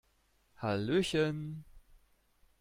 Hallöchen!